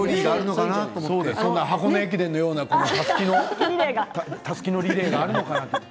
箱根駅伝のようなたすきリレーがあるのかと。